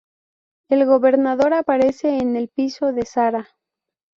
El gobernador aparece en el piso de "Sara".